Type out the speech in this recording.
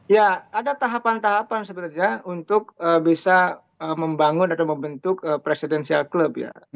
ya ada tahapan tahapan sebenarnya untuk bisa membangun atau membentuk presidensial club ya